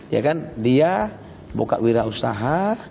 ya kan dia buka wirausaha